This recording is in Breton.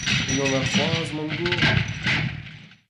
Unan all c’hoazh, mammig kozh ?